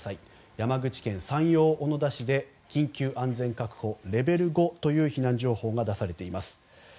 山口県山陽小野田市で緊急安全確保、レベル５という避難情報が出されています。